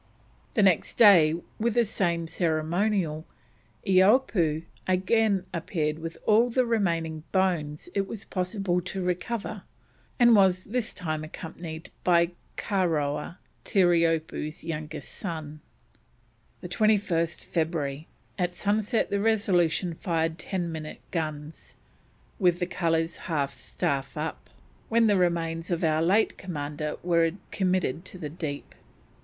The next day, with the same ceremonial, Eapoo again appeared with all the remaining bones it was possible to recover, and was this time accompanied by Karowa, Terreeoboo's youngest son. "The 21st February. At sunset the Resolution fired ten minute guns, with the colours half staff up, when the remains of our late Commander were committed to the deep."